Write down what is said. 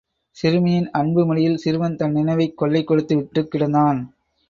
சிறுமியின் அன்பு மடியில் சிறுவன் தன் நினைவைக் கொள்ளை கொடுத்து விட்டுக் கிடந்தான்.